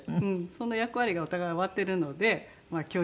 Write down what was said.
その役割がお互い終わってるので距離。